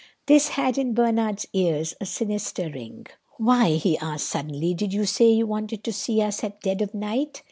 This had, in Bernard's ears, a sinister ring. "Why," he asked suddenly, "did you say you wanted to see us at dead of night?"